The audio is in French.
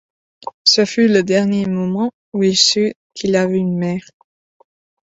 Ce fut le dernier moment où il sut qu’il avait une mère.